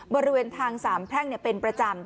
บริเวณทางสามแพร่งเป็นประจำ